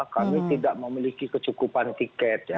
kami tidak memiliki kecukupan tiket